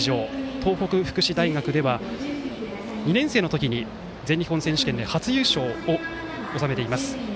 東北福祉大学では２年生の時に全日本選手権で初優勝を収めています。